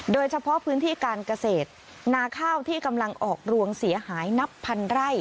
โดยเฉพาะพื้นที่การเกษตรนาข้าวที่กำลังออกรวงเสียหายนับพันไร่